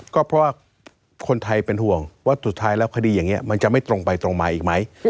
ก็เพราะว่าคนไทยเป็นห่วงว่าสุดท้ายแล้วคดีอย่างนี้มันจะไม่ตรงไปตรงมาอีกไหม